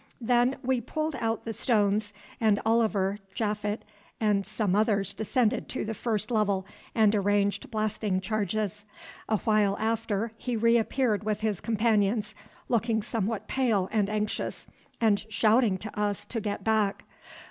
Then we pulled out the stones, and Oliver, Japhet, and some others descended to the first level and arranged blasting charges. Awhile after he reappeared with his companions, looking somewhat pale and anxious, and shouted to us to get back.